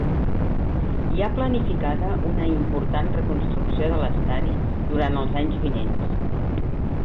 Hi ha planificada una important reconstrucció de l'estadi durant els anys vinents.